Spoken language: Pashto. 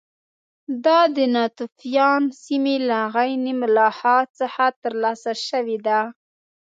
دا د ناتوفیان سیمې له عین ملاحا څخه ترلاسه شوي دي